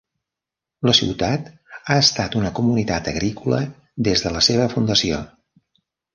La ciutat ha estat una comunitat agrícola des de la seva fundació.